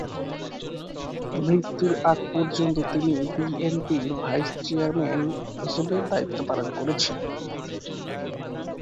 মৃত্যুর আগ পর্যন্ত তিনি বিএনপির ভাইস চেয়ারম্যান হিসেবে দায়িত্ব পালন করেছেন।